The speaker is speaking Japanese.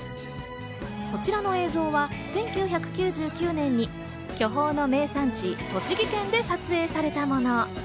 こちらの映像は１９９９年に巨峰の名産地・栃木県で撮影されたもの。